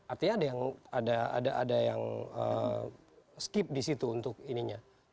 artinya ada yang skip disitu untuk ininya